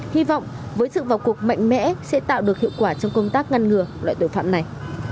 hy vọng với sự vào cuộc mạnh mẽ sẽ tạo được hiệu quả trong công tác ngăn ngừa loại tội phạm này